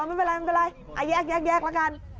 เออไม่เป็นไรอะแยกละกัน